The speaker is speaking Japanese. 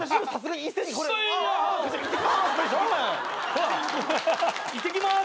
ほら「いってきます」